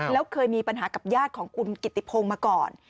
แล้วเคยมีปัญหากับญาติของคุณกิติพงศ์มาก่อน